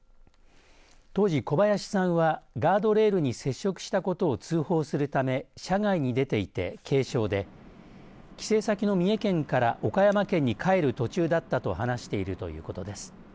当時、小林さんはガードレールに接触したことを通報するため車外に出ていて軽傷で帰省先の三重県から岡山県に帰る途中だったと話しているということです。